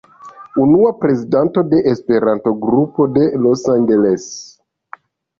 Unua prezidanto de Esperanto-Grupo de Los Angeles.